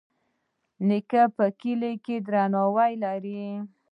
نیکه په کلي کې درناوی لري.